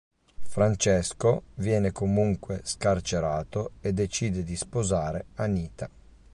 Francesco viene comunque scarcerato e decide di sposare Anita.